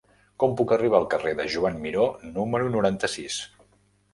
Com puc arribar al carrer de Joan Miró número noranta-sis?